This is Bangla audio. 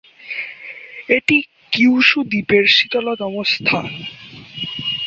এটি কিউশু দ্বীপের শীতলতম স্থান।